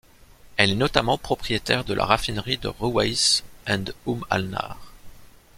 Elle est notamment propriétaire de la raffinerie de Ruwais and Umm Al Nar.